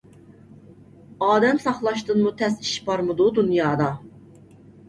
ئادەم ساقلاشتىنمۇ تەس ئىش بارمىدۇ دۇنيادا؟